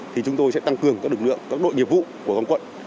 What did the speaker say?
thì chúng tôi sẽ tăng cường các đội nhiệm vụ của công quận